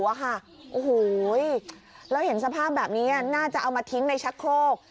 โอ้โหแล้วเห็นสภาพแบบนี้น่าจะเอามาทิ้งในชักโครก